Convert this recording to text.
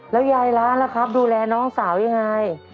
แล้วยายล้านล่ะครับดูแลน้องสาวยังไง